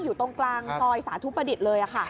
อยู่ตรงกลางซอยสาธุประดิษฐ์เลยค่ะ